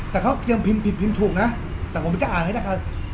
แต่เขาเครียมพิมพ์ผิดพิมพ์ถูกนะแต่ผมจะอ่านให้ได้ค่ะ